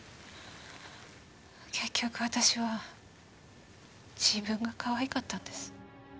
結局私は自分がかわいかったんです。